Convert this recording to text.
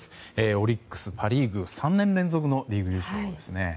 オリックス、パ・リーグ３年連続のリーグ優勝ですね。